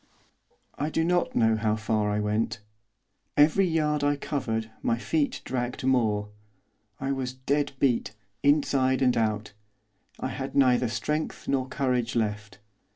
I do not know how far I went. Every yard I covered, my feet dragged more. I was dead beat, inside and out. I had neither strength nor courage left.